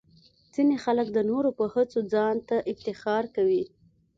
ځینې خلک د نورو په هڅو ځان ته افتخار کوي.